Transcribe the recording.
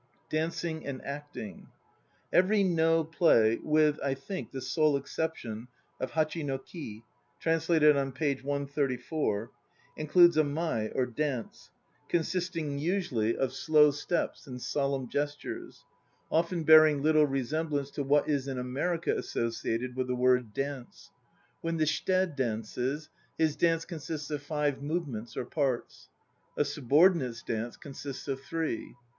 DANCING AND ACTING. Every No play (with, I think, the sole exception of Hachi no Ki, lated on p. 134) includes a niai or dance, consisting usually of 20 INTRODUCTION slow steps and solemn gestures, often bearing little resemblance to what is in America associated with the word "dance." When the shite dances, his dance consists of five "movements" or parts; a "sub ordinate's" dance consists of three.